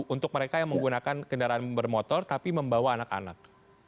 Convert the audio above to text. untuk mereka yang menggunakan kendaraan bermotor tapi membawa anak anak